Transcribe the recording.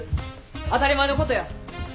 当たり前のことや。